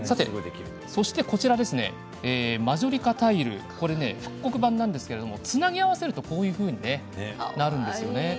マジョリカタイル復刻版なんですがつなぎ合わせるとこういうふうになるんです。